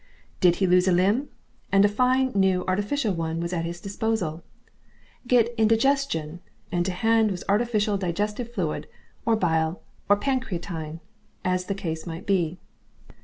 Did he lose a limb, and a fine, new, artificial one was at his disposal; get indigestion, and to hand was artificial digestive fluid or bile or pancreatine, as the case might be.